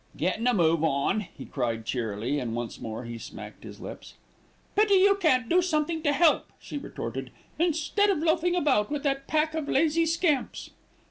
"Gettin' a move on," he cried cheerily, and once more he smacked his lips. "Pity you can't do something to help," she retorted, "instead of loafing about with that pack of lazy scamps."